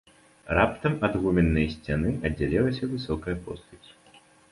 Раптам ад гуменнай сцяны аддзялілася высокая постаць.